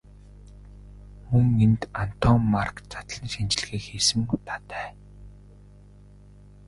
Мөн энд Антоммарки задлан шинжилгээ хийсэн удаатай.